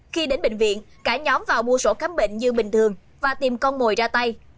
khi đến bệnh viện cả nhóm vào mua sổ khám bệnh như bình thường và tìm con mồi ra tay